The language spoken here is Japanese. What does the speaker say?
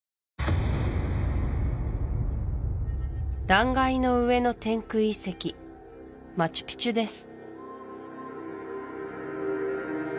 断崖の上の天空遺跡マチュピチュです